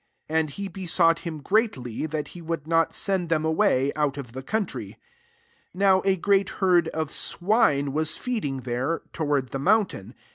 *' 10 And be besought him greatly, that he would not send them away, out of the country, 11 Now a [^great] herd of swine was feed m% there, [toward the moun tain.